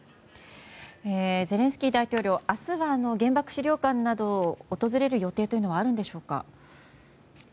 ゼレンスキー大統領明日は原爆資料館などを訪れる予定はあるんでしょうか。